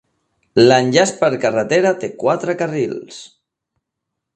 L'enllaç per carretera té quatre carrils.